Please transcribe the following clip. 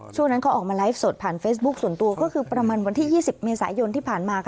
ช่วงนั้นเขาออกมาไลฟ์สดผ่านเฟซบุ๊คส่วนตัวก็คือประมาณวันที่๒๐เมษายนที่ผ่านมา